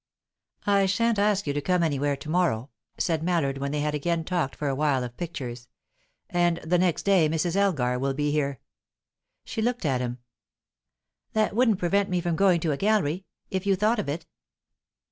"I shan't ask you to come anywhere to morrow," said Mallard, when they had again talked for awhile of pictures. "And the next day Mrs. Elgar will be here." She looked at him. "That wouldn't prevent me from going to a gallery if you thought of it."